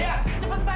jatuh mai mai